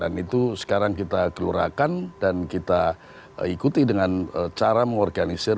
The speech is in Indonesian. dan itu sekarang kita kelurahkan dan kita ikuti dengan cara mengorganisir